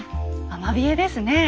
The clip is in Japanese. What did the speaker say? アマビエですねえ。